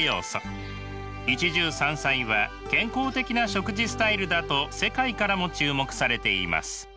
一汁三菜は健康的な食事スタイルだと世界からも注目されています。